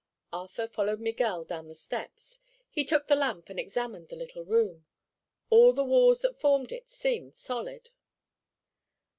Arthur followed Miguel down the steps. He took the lamp and examined the little room. All the walls that formed it seemed solid.